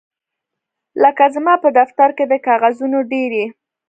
لکه زما په دفتر کې د کاغذونو ډیرۍ